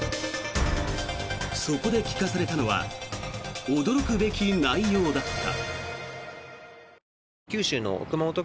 そこで聞かされたのは驚くべき内容だった。